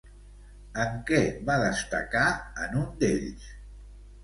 En què va destacar en un d'ells?